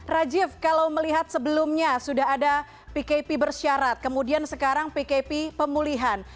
rajiv kalau melihat sebelumnya sudah ada pkp bersyarat kemudian sekarang pkp pemulihan